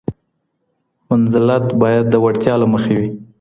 منزلت باید د وړتیا له مخې وي.